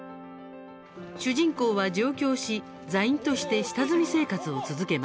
主人公は上京し、座員として下積み生活を続けます。